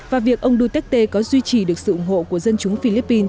và việc ông duterte có duy trì được sự ủng hộ của dân chúng philippines